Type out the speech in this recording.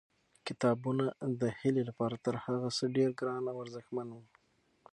کتابونه د هیلې لپاره تر هر څه ډېر ګران او ارزښتمن وو.